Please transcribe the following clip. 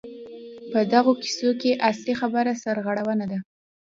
په دغو کیسو کې اصلي خبره سرغړونه ده.